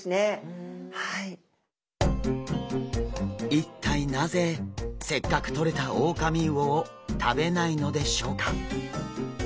一体なぜせっかくとれたオオカミウオを食べないのでしょうか。